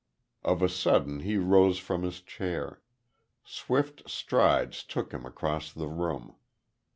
Of a sudden he rose from his chair. Swift strides took him across the room.